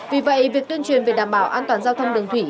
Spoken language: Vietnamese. vì vậy việc tuyên truyền về đảm bảo an toàn giao thông đường thủy